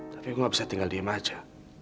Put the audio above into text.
tapi gue gak bisa tinggal diem aja